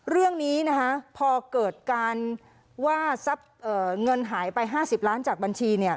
เรื่องนี้นะคะพอเกิดการว่าทรัพย์เงินหายไป๕๐ล้านจากบัญชีเนี่ย